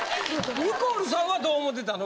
ニコルさんはどう思ってたの？